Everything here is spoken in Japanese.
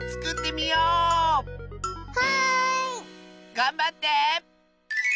がんばって！